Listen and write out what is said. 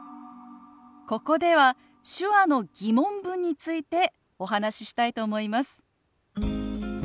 ここでは手話の疑問文についてお話ししたいと思います。